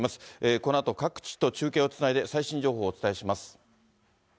このあと、各地と中継をつないで、最新情報をお伝えします。